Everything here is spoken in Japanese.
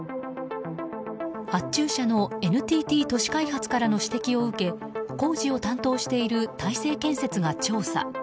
発注者のＮＴＴ都市開発からの指摘を受け工事を担当している大成建設が調査。